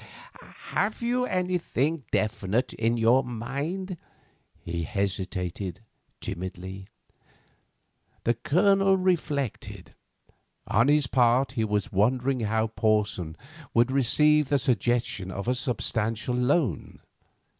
"Have you anything definite in your mind?" he hesitated, timidly. The Colonel reflected. On his part he was wondering how Porson would receive the suggestion of a substantial loan.